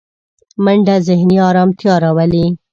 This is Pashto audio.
منډه ذهني ارامتیا راولي